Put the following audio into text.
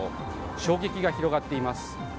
衝撃が広がっています。